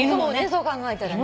そう考えたらね。